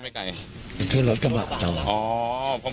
มีรถกระบะจอดรออยู่นะฮะเพื่อที่จะพาหลบหนีไป